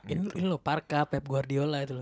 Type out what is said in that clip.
ini loh parka pep guardiola itu loh